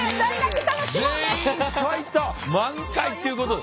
満開ということで。